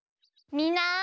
みんな！